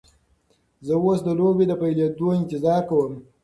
زه اوس د لوبې د پیلیدو انتظار کوم.